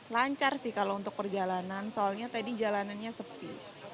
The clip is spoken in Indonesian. lancar sih kalau untuk perjalanan soalnya tadi jalanannya sepi